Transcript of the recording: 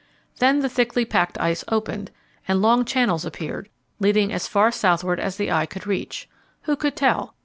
Then the thickly packed ice opened, and long channels appeared, leading as far southward as the eye could reach. Who could tell?